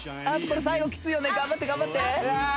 これ最後きついよね頑張って頑張って！